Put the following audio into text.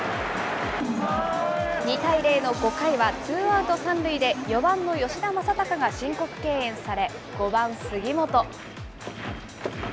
２対０の５回は、ツーアウト３塁で４番の吉田正尚が申告敬遠され、５番杉本。